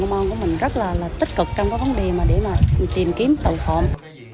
công an của mình rất là tích cực trong các vấn đề để tìm kiếm tàu phòng